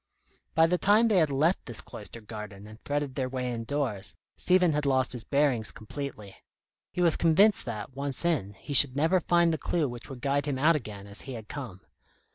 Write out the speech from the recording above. By the time they had left this cloistered garden and threaded their way indoors, Stephen had lost his bearings completely. He was convinced that, once in, he should never find the clue which would guide him out again as he had come.